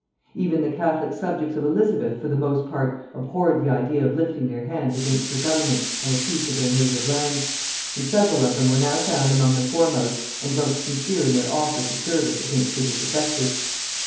Even the catholic subjects of Elizabeth for the most part abhorred the idea of lifting their hands against her government and the peace of their native land; and several of them were now found among the foremost and most sincere in their offers of service against the disaffected.